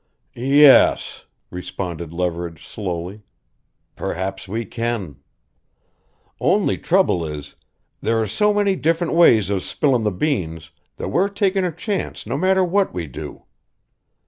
"Yes," responded Leverage slowly, "perhaps we can. Only trouble is there are so many different ways of spillin' the beans that we're takin' a chance no matter what we do.